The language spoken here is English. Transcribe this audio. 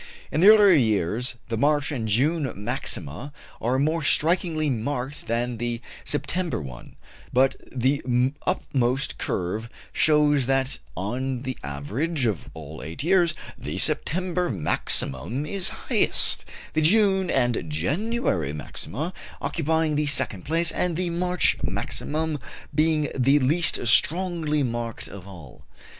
In the earlier years the March and June maxima are more strikingly marked than the September one; but the uppermost curve shows that on the average of all eight years the September maximum is the highest, the June and January maxima occupying the second place, and the March maximum being the least strongly marked of all.